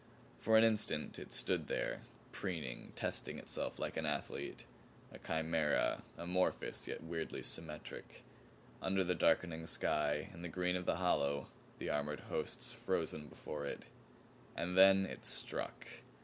For an instant it stood here, preening, testing itself like an athlete a chimera, amorphous yet weirdly symmetric under the darkening sky, in the green of the hollow, the armored hosts frozen before it And then it struck!